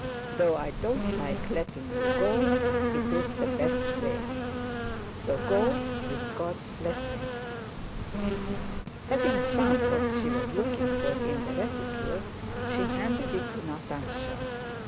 Though I don't like letting you go, it is the best way. So go, with God's blessing!" Having found what she was looking for in the reticule she handed it to Natásha.